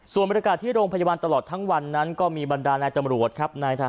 ส่วนบรรยากาศที่โรงพยาบาลตลอดทั้งวันนั้นก็มีบรรดานายตำรวจครับ